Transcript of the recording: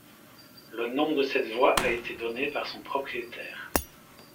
Le nom de cette voie a été donné par son propriétaire.